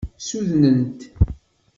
Ssudnent.